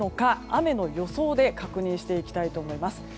雨の予想で確認していきたいと思います。